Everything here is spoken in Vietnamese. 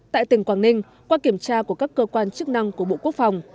tại tỉnh quảng ninh qua kiểm tra của các cơ quan chức năng của bộ quốc phòng